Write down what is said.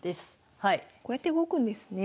こうやって動くんですね。